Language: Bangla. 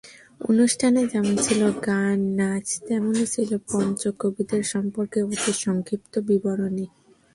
অনুষ্ঠানে যেমন ছিল গান, নাচ, তেমনই ছিল পঞ্চকবিদের সম্পর্কে অতি সংক্ষিপ্ত বিবরণী।